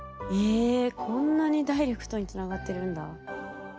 こんなにダイレクトにつながってるんだ。